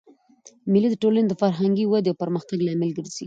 مېلې د ټولني د فرهنګي ودئ او پرمختګ لامل ګرځي.